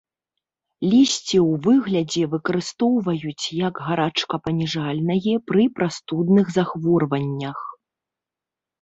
Лісце ў выглядзе выкарыстоўваюць як гарачкапаніжальнае пры прастудных захворваннях.